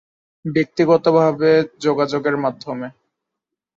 ব্যক্তিগতভাবে যোগাযোগের মাধ্যমে।